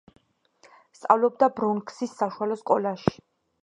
სწავლობდა ბრონქსის საშუალო სკოლაში.